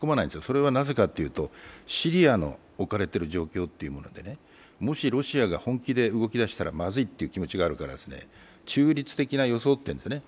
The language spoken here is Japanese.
それはなぜかというと、シリアの置かれてる状況というので、もしロシアが本気で動き出したらまずいっていう気持ちがあるから中立的に装っているんですね。